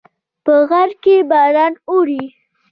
په غره کې باران اوري